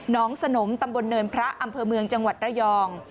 สนมตำบลเนินพระอำเภอเมืองจังหวัดระยอง